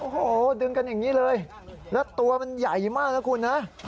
โอ้โหดึงกันอย่างนี้เลยแล้วตัวมันใหญ่มากนะคุณนะ